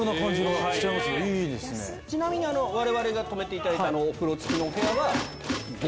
ちなみに我々が泊めていただいたお風呂付きのお部屋は。